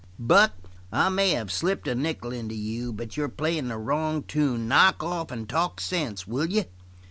"Buck, I may have slipped a nickel into you, but you're playing the wrong tune. Knock off and talk sense, will you?"